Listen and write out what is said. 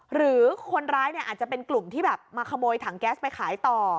หรือคนร้ายเนี่ยอาจจะเป็นกลุ่มที่แบบมาขโมยถังแก๊สไปขายต่อ